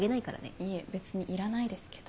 いえ別にいらないですけど。